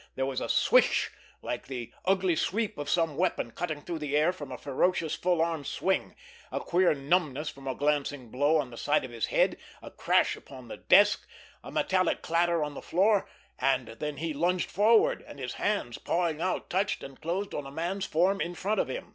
There was a swish like the ugly sweep of some weapon cutting through the air from a ferocious, full arm swing, a queer numbness from a glancing blow on the side of his head, a crash upon the desk, a metallic clatter on the floor—and then he lunged forward, and his hands, pawing out, touched and closed on a man's form in front of him.